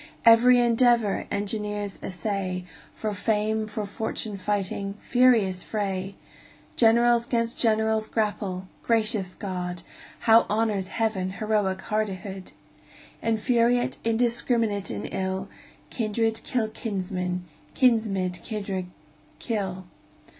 Every endeavor engineers essay, For fame, for fortune fighting furious fray! Generals 'gainst generals grapple gracious God! How honors Heaven heroic hardihood! Infuriate, indiscrminate in ill, Kindred kill kinsmen, kinsmen kindred kill.